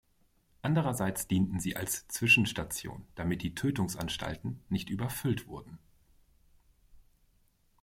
Andererseits dienten sie als Zwischenstation, damit die "Tötungsanstalten" nicht überfüllt wurden.